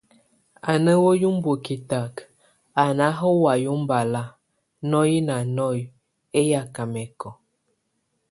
A ná wíy umbue kɛtak, a náha way ómbala nɔ́ye nanɔ́yek, éyaka mɛkɔ.